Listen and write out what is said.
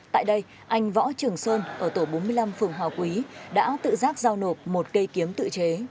tại đây anh võ trường sơn ở tổ bốn mươi năm phường hòa quý đã tự giác giao nộp một cây kiếm tự chế